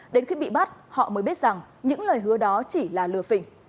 đến khi bị bắt họ mới biết rằng những lời hứa đó chỉ là lừa phình